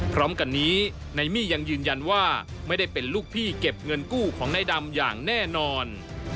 พร้อมกันนี้นายมี่ยังยืนยันว่าไม่ได้เป็นลูกพี่เก็บเงินกู้ของนายดำอย่างแน่นอน